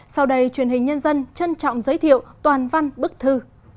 sau đây truyền hình nhân dân trân trọng giới thiệu toàn văn bức thư